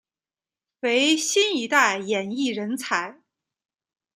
为新一代演艺人才。